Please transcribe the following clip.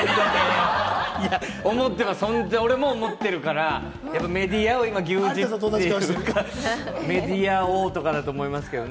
俺も本当に思ってるから、メディアを今、牛耳ってるからメディア王とかだと思いますけれども。